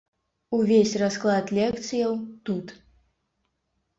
Увесь расклад лекцыяў тут.